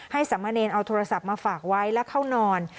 สามเณรเอาโทรศัพท์มาฝากไว้และเข้านอน